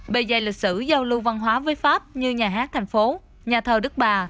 bề dày lịch sử giao lưu văn hóa với pháp như nhà hát thành phố nhà thờ đức bà